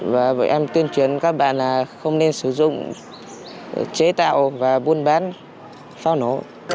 và bọn em tuyên truyền các bà là không nên sử dụng chế tạo và buôn bán pháo nổ